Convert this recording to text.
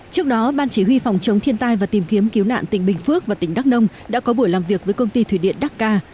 trước đó ban chỉ huy phòng chống thiên tai và tìm kiếm cứu nạn tỉnh bình phước và tỉnh đắk nông đã có buổi làm việc với công ty thủy điện đắc ca